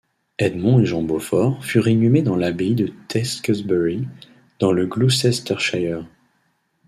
Edmond et Jean Beaufort furent inhumés dans l'abbaye de Tewkesbury, dans le Gloucestershire.